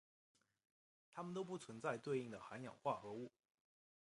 它们都不存在对应的含氧化合物。